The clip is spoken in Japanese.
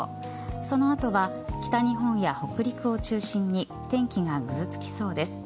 その後は北日本や北陸を中心に天気がぐずつきそうです。